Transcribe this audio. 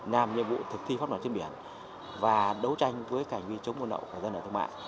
làm nhiệm vụ thực thi phát bảo trên biển và đấu tranh với cảnh vi chống buôn lậu của dân lợi thương mại